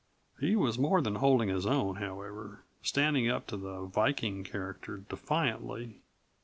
He was more than holding his own, however, standing up to the Viking character defiantly.